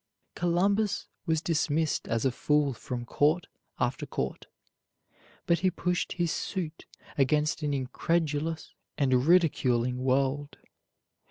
Columbus was dismissed as a fool from court after court, but he pushed his suit against an incredulous and ridiculing world.